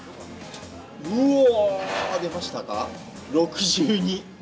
うわー、出ましたか、６２。